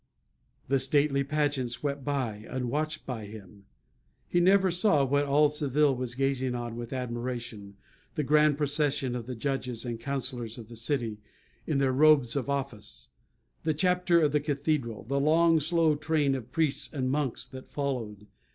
The stately pageant swept by, unwatched by him. He never saw, what all Seville was gazing on with admiration, the grand procession of the judges and counsellors of the city, in their robes of office; the chapter of the Cathedral; the long slow train of priests and monks that followed.